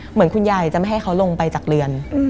เหมือนคุณยายจะไม่ให้เขาลงไปจากเรือน